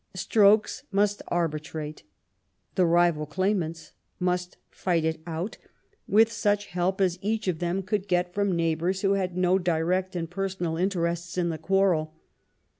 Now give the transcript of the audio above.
Strokes must arbitrate— the rival claimants must fight it out with such help as each of them could get from neighbors who had no direct and personal interests in the quarrel.